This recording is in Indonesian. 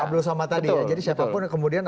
abdul salman tadi jadi siapapun kemudian